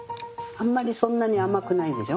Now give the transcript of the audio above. あんまりそんなに甘くないでしょ？